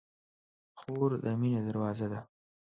خور د مینې دروازه ده.